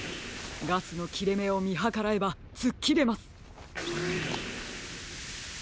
ガスのきれめをみはからえばつっきれます。